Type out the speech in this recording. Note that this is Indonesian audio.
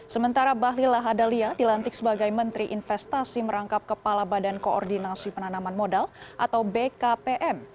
sementara bahlil lahadalia dilantik sebagai menteri investasi merangkap kepala badan koordinasi penanaman modal atau bkpm